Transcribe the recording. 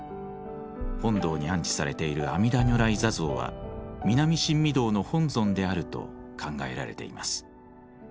本堂に安置されている阿彌陀如来坐像は南新御堂の本尊であると考えられています。